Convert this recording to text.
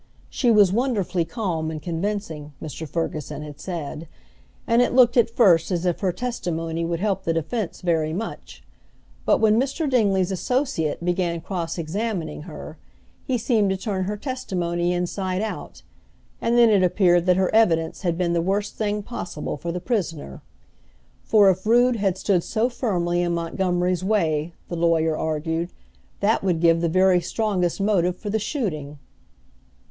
She was wonderfully calm and convincing, Mr. Ferguson had said, and it looked at first as if her testimony would help the defense very much, but when Mr. Dingley's associate began cross examining her, he seemed to turn her testimony inside out, and then it appeared that her evidence had been the worst thing possible for the prisoner. For if Rood had stood so firmly in Montgomery's way, the lawyer argued, that would give the very strongest motive for the shooting.